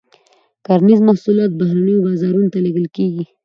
کرنیز محصولات بهرنیو بازارونو ته لیږل کیږي.